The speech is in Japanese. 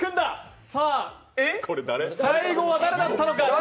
最後は誰だったのか。